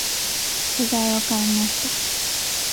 食材を買いました。